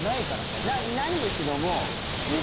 ないんですけども。